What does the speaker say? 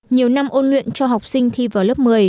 nhiều năm ôn luyện cho học sinh thi vào lớp một mươi